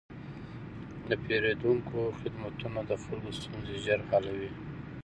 د پېرودونکو خدمتونه د خلکو ستونزې ژر حلوي.